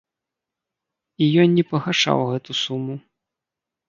І ён не пагашаў гэту суму.